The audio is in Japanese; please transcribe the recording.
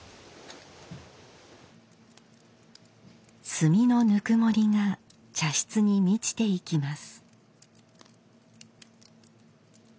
炭のぬくもりが茶室に満ちていきます。